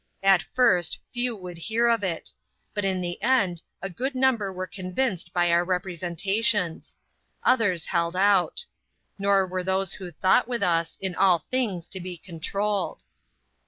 At first, few would heac of it ; but in the end, a good number were convinced by our representations. Others held out. Nor were those who thought with us, in all things to be controlled.